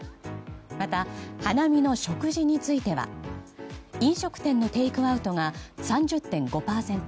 また花見の食事については飲食店のテイクアウトが３０．５％。